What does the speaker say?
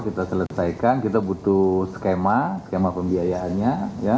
kita selesaikan kita butuh skema skema pembiayaannya